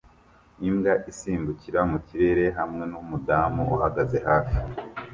Imbwa isimbukira mu kirere hamwe numudamu uhagaze hafi